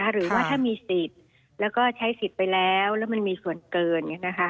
หรือว่าถ้ามีสิทธิ์แล้วก็ใช้สิทธิ์ไปแล้วแล้วมันมีส่วนเกิน